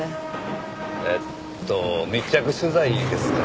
えっと密着取材ですかね。